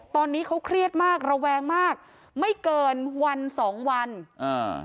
ตอนนี้เขาเครียดมากระแวงมากไม่เกินวันสองวันอ่า